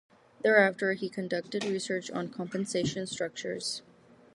Thereafter he conducted research on compensation structures.